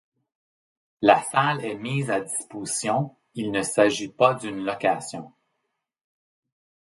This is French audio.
La salle est mise à disposition, il ne s'agit pas d'une location.